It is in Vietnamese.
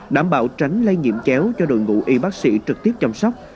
đảm bảo tránh lây nhiễm chéo cho đội ngũ y bác sĩ trực tiếp chăm sóc